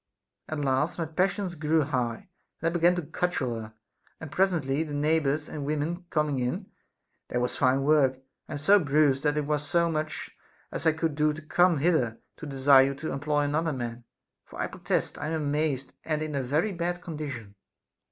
At last my passion grew high, and I began to cudgel her, and presently the neighbors and women coming in, there was fine work ; I am so bruised that it was as much as I could do to come hither to desire you to employ another man, for I protest Τ am amazed and in a very bad condition.